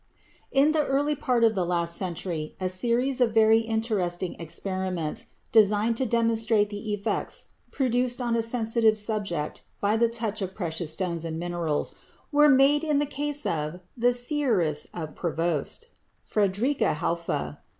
In the early part of the last century a series of very interesting experiments designed to demonstrate the effects produced upon a sensitive subject by the touch of precious stones and minerals, were made in the case of the "Seeress of Prevorst," Frederike Hauffe (b.